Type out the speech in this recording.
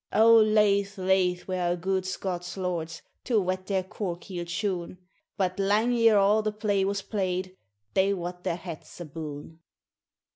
O laith laith were our gude Scots lords To wet their cork heeled shoon ! But lang ere a' the play was play'd They wat their hats aboon.